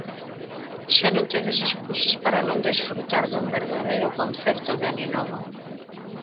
Xa non tedes escusas para non desfrutar dun verdadeiro concerto de aninovo.